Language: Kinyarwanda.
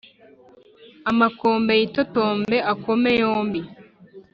amakombe yitotombe akome yombi